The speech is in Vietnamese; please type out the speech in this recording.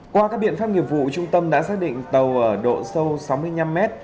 qua các biện pháp nghiệp vụ trung tâm đã xác định tàu ở độ sâu sáu mươi năm mét